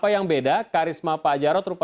yang terakhir adalah pertanyaan dari anak muda